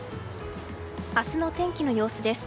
明日の天気の様子です。